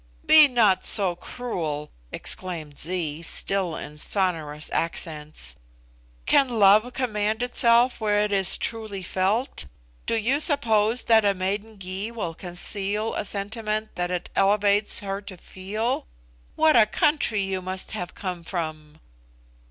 "Be not so cruel!" exclaimed Zee, still in sonorous accents. "Can love command itself where it is truly felt? Do you suppose that a maiden Gy will conceal a sentiment that it elevates her to feel? What a country you must have come from!"